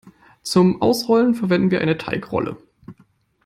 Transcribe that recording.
Zum Ausrollen verwenden wir eine Teigrolle.